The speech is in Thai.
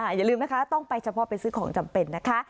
อย่าลืมนะคะต้องไปเฉพาะไปซื้อของจำเป็นนะคะ